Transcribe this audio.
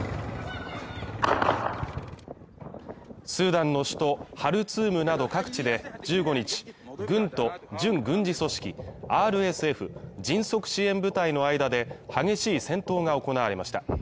スーダンの首都ハルツームなど各地で１５日軍と準軍事組織ＲＳＦ＝迅速支援部隊の間で激しい戦闘が行われました。